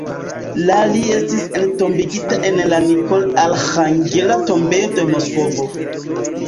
La li estis entombigita en la Nikolo-Arĥangela tombejo de Moskvo.